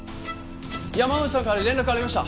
山之内さんから連絡ありました！